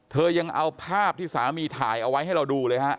ยังเอาภาพที่สามีถ่ายเอาไว้ให้เราดูเลยฮะ